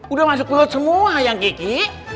udah masuk semua yang gigi